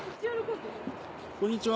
こんにちは。